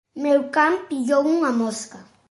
meu can pillou unha mosca